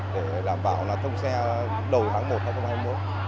để đảm bảo thông xe đầu tháng một tháng hai mươi một